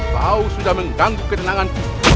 bau sudah mengganggu ketenangan